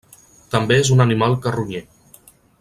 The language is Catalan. També és un animal carronyer.